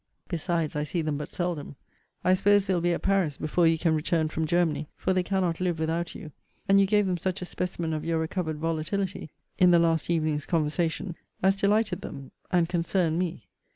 Besides, I see them but seldom. I suppose they'll be at Paris before you can return from Germany; for they cannot live without you; and you gave them such a specimen of your recovered volatility, in the last evening's conversation, as delighted them, and concerned me.